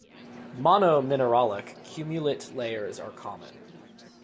Monominerallic cumulate layers are common.